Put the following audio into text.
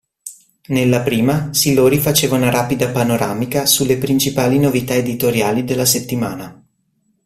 Nella prima, Silori faceva una rapida panoramica sulle principali novità editoriali della settimana.